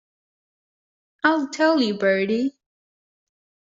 I'll tell you, Bertie.